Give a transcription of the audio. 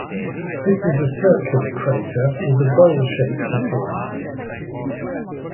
This is a circular crater with a bowl-shaped appearance.